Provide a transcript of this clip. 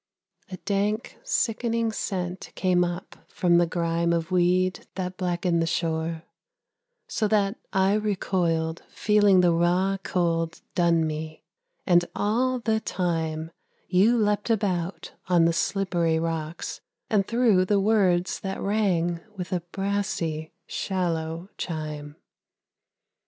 A dank, sickening scent came up from the grime Of weed that blackened the shore, so that I recoiled Feeling the raw cold dun me: and all the time You leapt about on the slippery rocks, and threw The words that rang with a brassy, shallow chime.